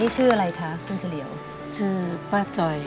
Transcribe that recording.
ชื่อป้าจอยไหมค่ะ